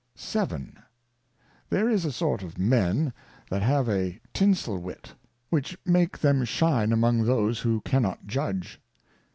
VII. There is a sort of Men that have a Tinsel wit, which make them shine among those who cannot judge.